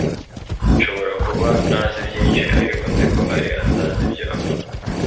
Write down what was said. nshobora kuba ntazi byinshi, ariko nzi ko alain atazi ibyo avuga